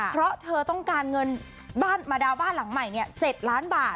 เพราะเธอต้องการเงินมาดาวน์บ้านหลังใหม่๗ล้านบาท